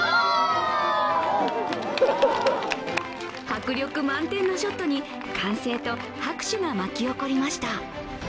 迫力満点のショットに歓声と拍手が巻き起こりました。